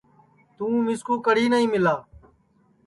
تُوں مِسکُو کڑھی نائی مِلا